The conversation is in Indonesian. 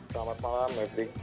selamat malam mbak edring